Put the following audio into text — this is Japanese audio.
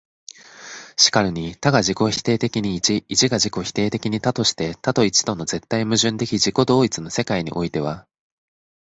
然るに多が自己否定的に一、一が自己否定的に多として、多と一との絶対矛盾的自己同一の世界においては、